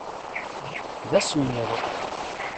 D asemmiḍ.